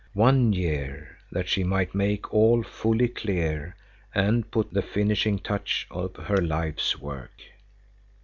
One year, that she might make all fully clear and put the finishing touch on her life's work.